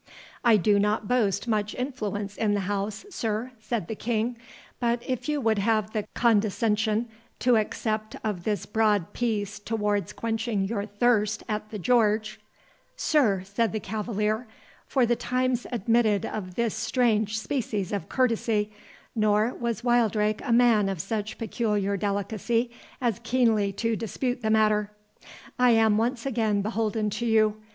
"I do not boast much influence in the house, sir," said the King; "but if you would have the condescension to accept of this broad piece towards quenching your thirst at the George"— "Sir," said the cavalier, (for the times admitted of this strange species of courtesy, nor was Wildrake a man of such peculiar delicacy as keenly to dispute the matter,)—"I am once again beholden to you.